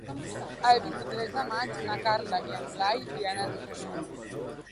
El vint-i-tres de maig na Carla i en Blai iran al metge.